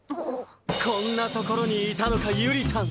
こんな所にいたのかゆりたん！